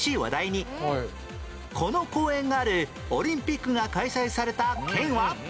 この公苑があるオリンピックが開催された県は？